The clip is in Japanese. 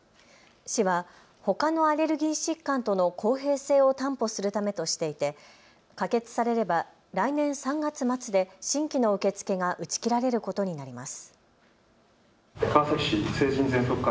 市はほかのアレルギー疾患との公平性を担保するためとしていて可決されれば来年３月末で新規の受け付けが打ち切られることになります。